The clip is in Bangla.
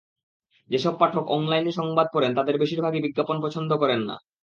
যেসব পাঠক অনলাইনে সংবাদ পড়েন, তাঁদের বেশির ভাগই বিজ্ঞাপন পছন্দ করেন না।